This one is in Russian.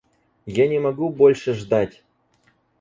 Я не могу больше ждать.